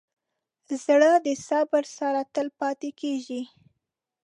زړه د صبر سره تل پاتې کېږي.